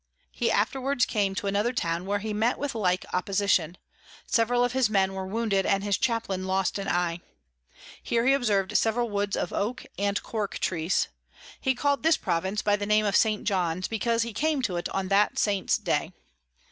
He afterwards came to another Town, where he met with the like Opposition: several of his Men were wounded, and his Chaplain lost an Eye. Here he observ'd several Woods of Oak and Cork Trees: He call'd this Province by the name of St. John's, because he came to it on that Saint's Day.